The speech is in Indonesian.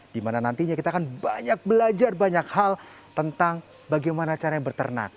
dimana nantinya kita akan banyak belajar banyak hal tentang bagaimana caranya berternak